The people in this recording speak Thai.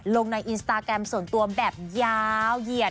ลงในอินสตาแกรมส่วนตัวแบบยาวเหยียด